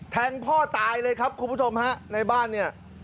แทงพ่อตายเลยครับคุณผู้ชมฮะในบ้านเนี่ย